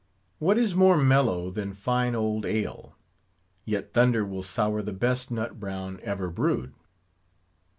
What is more mellow than fine old ale? Yet thunder will sour the best nut brown ever brewed.